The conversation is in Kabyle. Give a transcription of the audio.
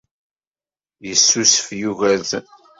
Yessusef Yugurten.